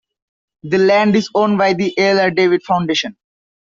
The land is owned by the Ir David Foundation.